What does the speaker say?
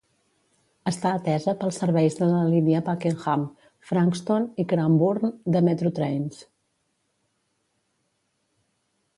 Està atesa pels serveis de la línia Pakenham, Frankston i Cranbourne de Metro Trains.